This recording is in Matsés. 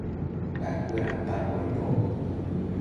Dacuëdampambo icboc